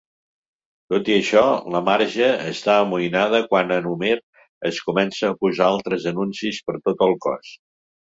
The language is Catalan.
Tot i això, la Marge està amoïnada quan en Homer es comença a posar altres anuncis per tot el cos.